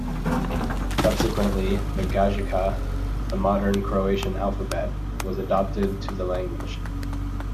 Subsequently, the "Gajica", the modern Croatian alphabet, was adopted to the language.